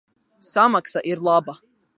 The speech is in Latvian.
Samaksa ir laba.